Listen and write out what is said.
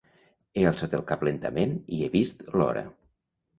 He alçat el cap lentament i he vist l'hora.